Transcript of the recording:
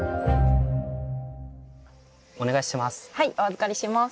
お願いします。